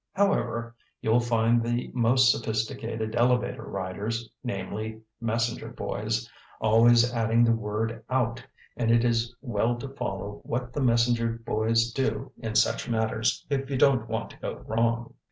However, you'll find the most sophisticated elevator riders, namely, messenger boys, always adding the word "out," and it is well to follow what the messenger boys do in such matters if you don't want to go wrong.)